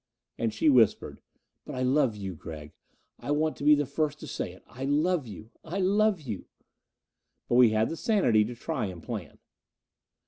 And she whispered, "But I love you, Gregg. I want to be the first to say it: I love you I love you." But we had the sanity to try and plan.